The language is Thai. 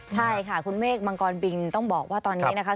ใช่ค่ะคุณเมฆมังกรบินต้องบอกว่าตอนนี้นะคะ